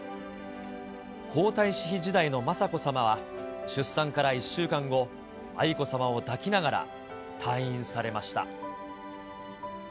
皇太子妃時代の雅子さまは出産から１週間後、愛子さまを抱きながら、退院されました。